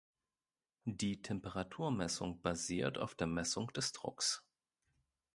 Die Temperaturmessung basiert auf der Messung des Drucks.